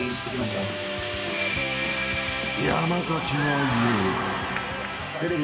［山崎は言う］